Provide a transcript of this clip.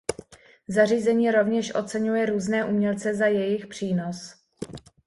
Zařízení rovněž oceňuje různé umělce za jejich přínos.